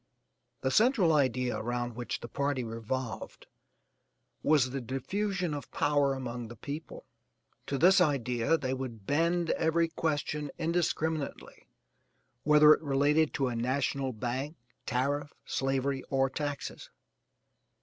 The central idea around which the party revolved was the diffusion of power among the people. To this idea they would bend every question indiscriminately, whether it related to a national bank, tariff, slavery, or taxes.